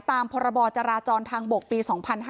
ตามพรบจราจรทางบกปี๒๕๕๙